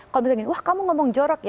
kalau misalnya wah kamu ngomong